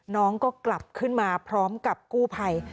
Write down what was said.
น้องก็กลับขึ้นมาพร้อมกับกู้ภัย